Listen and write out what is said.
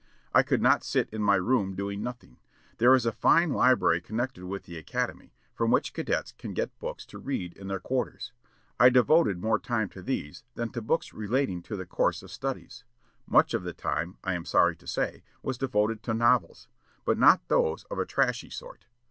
I could not sit in my room doing nothing. There is a fine library connected with the academy, from which cadets can get books to read in their quarters. I devoted more time to these than to books relating to the course of studies. Much of the time, I am sorry to say, was devoted to novels, but not those of a trashy sort.